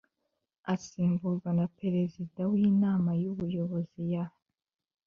Asimburwa na perezida w inama y ubuyobozi ya